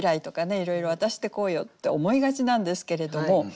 いろいろ「私ってこうよ」って思いがちなんですけれども